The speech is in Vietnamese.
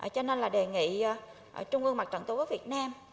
cho nên là đề nghị trung ương mặt trận tổ quốc việt nam